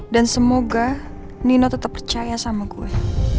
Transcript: dan semoga nino tetep percaya sama gue